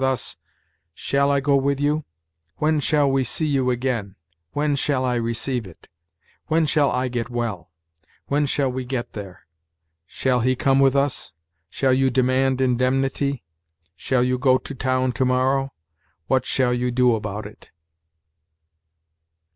Thus, "Shall I go with you?" "When shall we see you again?" "When shall I receive it?" "When shall I get well?" "When shall we get there?" "Shall he come with us?" "Shall you demand indemnity?" "Shall you go to town to morrow?" "What shall you do about it?"